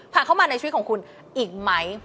เข้ามาในชีวิตของคุณอีกไหม